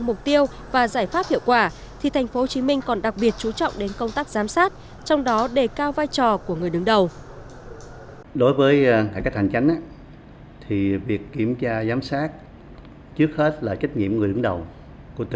mục tiêu và giải pháp hiệu quả thì tp hcm còn đặc biệt chú trọng đến công tác giám sát trong đó đề cao vai trò của người đứng đầu